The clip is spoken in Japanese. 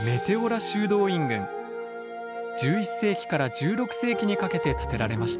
１１世紀から１６世紀にかけて建てられました。